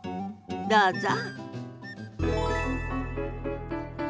どうぞ。